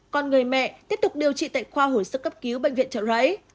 còn người mẹ tiếp tục điều trị tại khoa hồi sức cấp cứu bệnh viện trợ rẫy